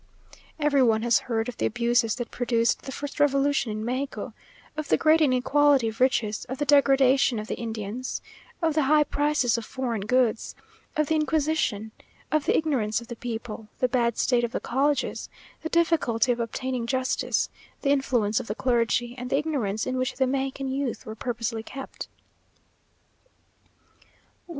Every one has heard of the abuses that produced the first revolution in Mexico of the great inequality of riches, of the degradation of the Indians, of the high prices of foreign goods, of the Inquisition, of the ignorance of the people, the bad state of the colleges, the difficulty of obtaining justice, the influence of the clergy, and the ignorance in which the Mexican youth were purposely kept.